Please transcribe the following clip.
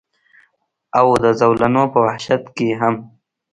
او د زولنو پۀ وحشت کښې هم